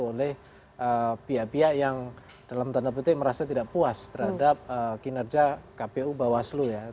oleh pihak pihak yang dalam tanda petik merasa tidak puas terhadap kinerja kpu bawaslu ya